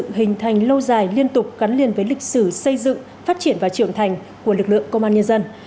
công an nhân dân có quá trình xây dựng hình thành lâu dài liên tục gắn liền với lịch sử xây dựng phát triển và trưởng thành của lực lượng công an nhân dân